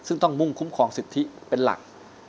ซึ่งต้องมุ่งคุ้มครองสิทธิเป็นหลัก